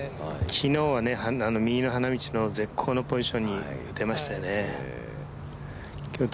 昨日は右の花道の絶好のポジションに打てましたよね。